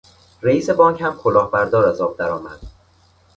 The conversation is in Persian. رئیس بانک هم کلاهبردار از آب درآمد.